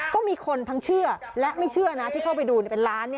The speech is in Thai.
ก็มีคนทั้งเชื่อและไม่เชื่อนะที่เข้าไปดูเป็นล้าน